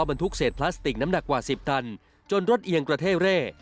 บรรทุกเศษพลาสติกน้ำหนักกว่า๑๐คันจนรถเอียงกระเท่เร่